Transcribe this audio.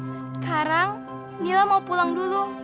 sekarang gila mau pulang dulu